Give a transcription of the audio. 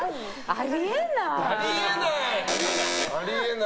あり得ない。